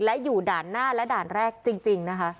และอยู่ด่านหน้าและด่านแรกจริงนะคะ